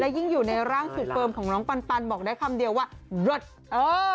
และยิ่งอยู่ในร่างสุดเพิ่มของน้องปันปันบอกได้คำเดียวว่ารถเออ